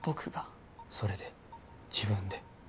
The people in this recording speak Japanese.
それで自分で？